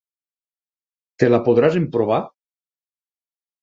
Te la podràs emprovar?